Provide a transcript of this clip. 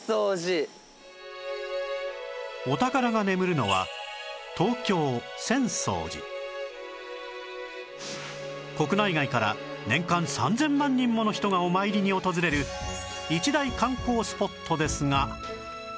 お宝が眠るのは国内外から年間３０００万人もの人がお参りに訪れる一大観光スポットですが